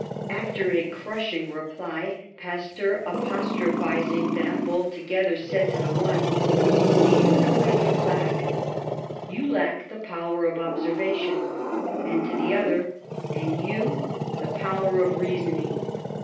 After a crushing reply, Pasteur, apostrophising them both together, said to the one, ^Do you know what you lack? You lack the power of obser vation !' and to the other, 'And you, the power of reasoning!'